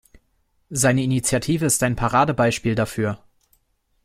Seine Initiative ist ein Paradebeispiel dafür.